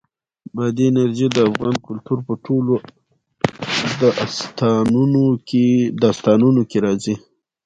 بادي انرژي د افغان کلتور په ټولو داستانونو کې راځي.